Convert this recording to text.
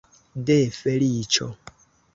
De feliĉo!